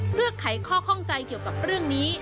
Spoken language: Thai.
เพื่อไขข้อข้องใจเกี่ยวกับเรื่องนี้